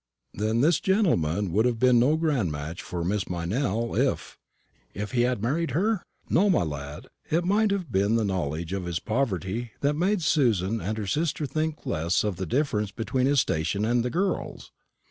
"Then this gentleman would have been no grand match for Miss Meynell, if " "If he had married her? No, my lad; and it might have been the knowledge of his poverty that made Susan and her sister think less of the difference between his station and the girl's.